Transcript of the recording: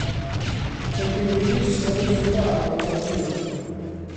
Chewch chi ddim eistedd wrth y bar i gael diod.